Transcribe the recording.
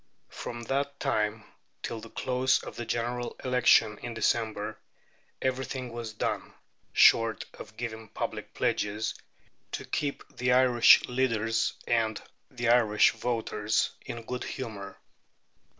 From that time till the close of the General Election in December everything was done, short of giving public pledges, to keep the Irish leaders and the Irish voters in good humour.